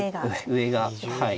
上がはい。